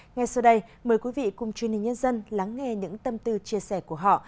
ngay sau đây mời quý vị cùng truyền hình nhân dân lắng nghe những tâm tư chia sẻ của họ